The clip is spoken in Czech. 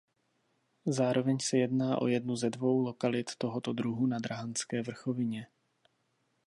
Zároveň se jedná o jednu ze dvou lokalit tohoto druhu na Drahanské vrchovině.